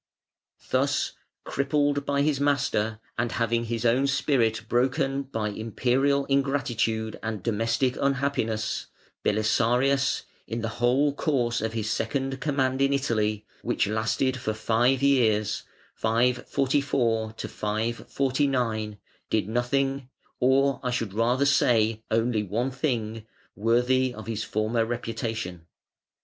Thus crippled by his master, and having his own spirit broken by Imperial ingratitude and domestic unhappiness, Belisarius, in the whole course of his second command in Italy, which lasted for five years (544 549) did nothing, or I should rather say only one thing, worthy of his former reputation.